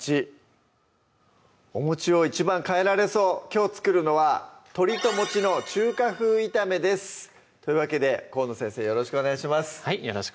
おを一番変えられそうきょう作るのは「鶏との中華風炒め」ですというわけで河野先生よろしくお願いします